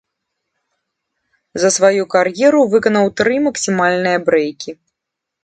За сваю кар'еру выканаў тры максімальныя брэйкі.